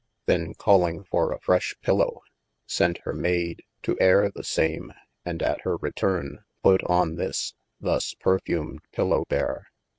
Then calling for a fresh pillowe, sent hir mayde to ayre the same and at hir returne put on this, thus perfumed pillowebeere.